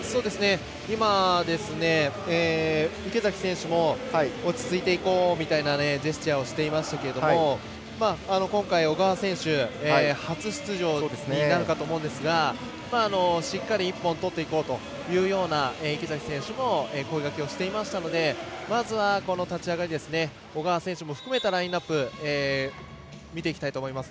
今、池崎選手も落ち着いていこうみたいなジェスチャーをしていましたけど今回、小川選手初出場になるかと思うんですがしっかり１本取っていこうというような池崎選手も声がけをしていましたのでまずはこの立ち上がり小川選手も含めたラインアップ見ていきたいと思います。